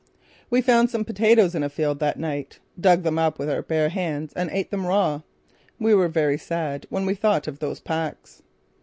We found some potatoes in a field that night, dug them up with our bare hands and ate them raw. We were very sad when we thought of those packs.